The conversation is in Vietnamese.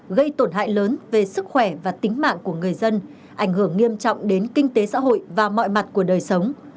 gây tổn hại lớn về sức khỏe và tính mạng của người dân ảnh hưởng nghiêm trọng đến kinh tế xã hội và mọi mặt của đời sống